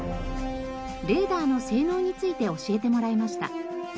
レーダーの性能について教えてもらいました。